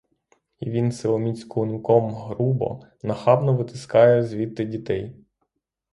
І він силоміць клунком грубо, нахабно витискає звідти дітей.